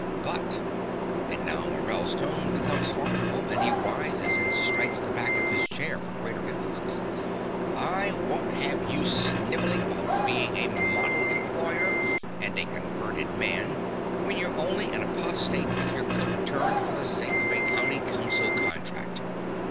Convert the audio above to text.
But (and now Morell's tone becomes formidable; and he rises and strikes the back of the chair for greater emphasis) I won't have you here snivelling about being a model employer and a converted man when you're only an apostate with your coat turned for the sake of a County Council contract.